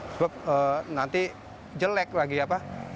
sebab nanti jelek lagi ya pak